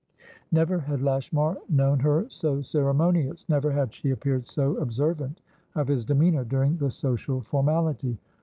Never had Lashmar known her so ceremonious; never had she appeared so observant of his demeanor during the social formality.